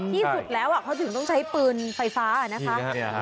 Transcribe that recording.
ที่สุดแล้วเขาถึงต้องใช้ปืนไฟฟ้านะคะ